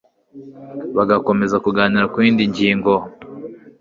bagakomeza kuganira ku yindi ngingo